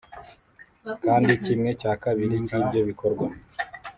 kandi kimwe cya kabiri cy’ibyo bikorwa